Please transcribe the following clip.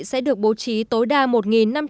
sẽ được bố trí tối đa